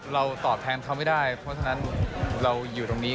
ตอบแทนเขาไม่ได้เพราะฉะนั้นเราอยู่ตรงนี้